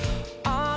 ああ。